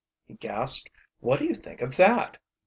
he gasped. "What do you think of that?"